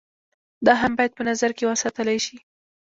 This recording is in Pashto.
دا هم بايد په نظر کښې وساتلے شي